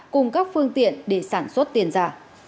cùng các phương tiện để sản xuất tiền giả